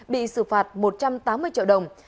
bị xử phạt một trăm tám mươi triệu đồng